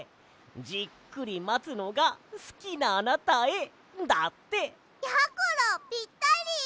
「じっくりまつのがすきなあなたへ」だって！やころぴったり！